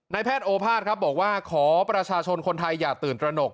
แพทย์โอภาษครับบอกว่าขอประชาชนคนไทยอย่าตื่นตระหนก